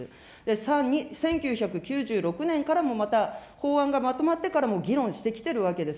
さらに１９９６年からもまた法案がまとまってからも議論してきてるわけです。